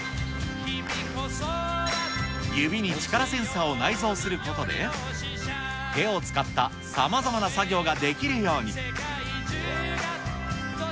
指に力センサーを内蔵することで、手を使ったさまざまな作業ができるように。